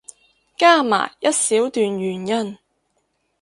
加埋一小段原因